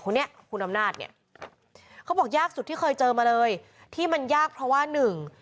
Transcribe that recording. คนนี้คุณอำนาจเนี่ยเขาบอกยากสุดที่เคยเจอมาเลยที่มันยากเพราะว่าหนึ่ง